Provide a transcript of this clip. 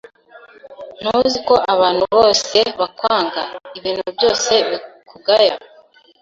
ntuzi ko abantu bose bakwanga, ibintu byose bikugaya